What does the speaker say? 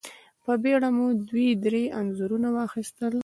په بېړه مو دوه درې انځورونه واخيستل.